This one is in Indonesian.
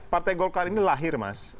partai golkar ini lahir mas